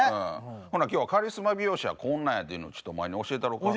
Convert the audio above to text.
ほな今日はカリスマ美容師はこんなんやっていうのをお前に教えたろか。